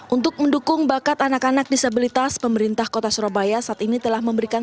untuk mendukung bakat anak anak disabilitas pemerintah kota surabaya saat ini telah memberikan